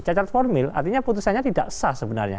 cacat formil artinya putusannya tidak sah sebenarnya